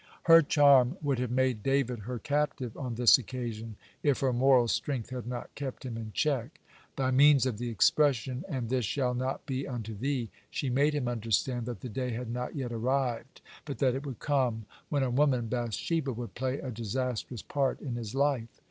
Her charm would have made David her captive on this occasion, if her moral strength had not kept him in check. By means of the expression, "And this shall not be unto thee," she made him understand that the day had not yet arrived, but that it would come, when a woman, Bath sheba, would play a disastrous part in his life.